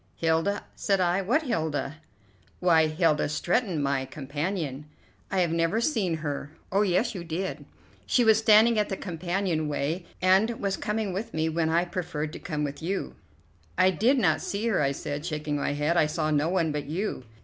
"Hilda!" said I. "What Hilda?" "Why, Hilda Stretton, my companion." "I have never seen her." "Oh, yes, you did; she was standing at the companion way and was coming with me when I preferred to come with you." "I did not see her," I said, shaking my head; "I saw no one but you."